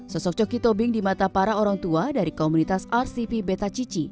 sosok coki tobing di mata para orang tua dari komunitas rcp beta cici